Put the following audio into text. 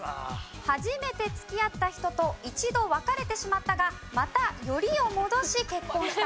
初めて付き合った人と一度別れてしまったがまたよりを戻し結婚した方も含みます。